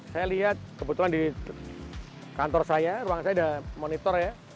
saya lihat kebetulan di kantor saya ruang saya ada monitor ya